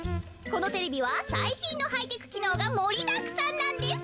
このテレビはさいしんのハイテクきのうがもりだくさんなんです。